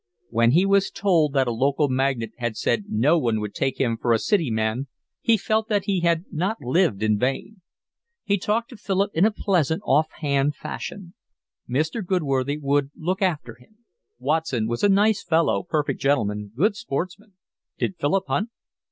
When he was told that a local magnate had said no one would take him for a City man, he felt that he had not lived in vain. He talked to Philip in a pleasant, off hand fashion. Mr. Goodworthy would look after him. Watson was a nice fellow, perfect gentleman, good sportsman—did Philip hunt?